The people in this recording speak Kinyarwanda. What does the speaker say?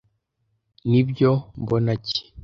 "Nibyo, mbona iki?